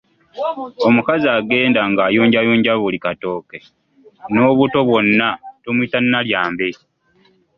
Omukazi agenda ng'ayunjayunja buli katooke n’obuto bwonna tumuyita Nalyambe.